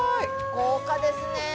豪華ですね